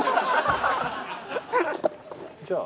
じゃあ。